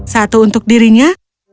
satu untuk dirinya